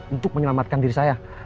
untuk menyelamatkan diri saya